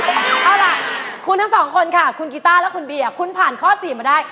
เอาล่ะคุณทั้งสองคนค่ะคุณกีต้าและคุณเบียร์คุณผ่านข้อ๔มาได้